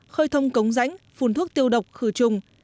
khơi thông cống rãnh phun thuốc tiêu độc khử trùng